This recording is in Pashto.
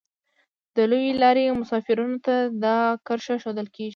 د لویې لارې مسافرینو ته دا کرښه ښودل کیږي